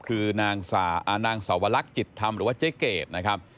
คือนางสาวลักษณ์จิตธรรมหรือว่าเจ๊เกดนะครับ